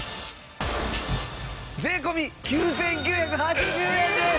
税込９９８０円です！